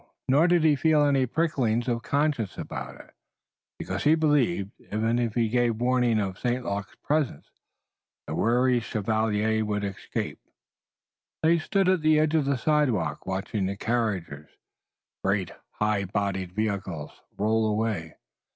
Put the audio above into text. Nor did he feel any pricklings of the conscience about it, because he believed, even if he gave warning of St. Luc's presence, the wary chevalier would escape. They stood at the edge of the sidewalk, watching the carriages, great high bodied vehicles, roll away.